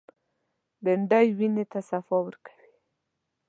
بېنډۍ وینې ته صفا ورکوي